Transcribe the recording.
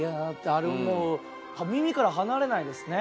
あれもう耳から離れないですね。